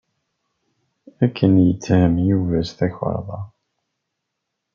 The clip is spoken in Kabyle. Ken yetthem Yuba s tukerḍa.